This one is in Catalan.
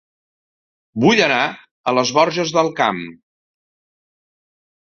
Vull anar a Les Borges del Camp